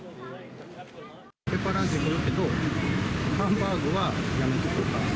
ペッパーランチは来るけど、ハンバーグはやめとこうかな。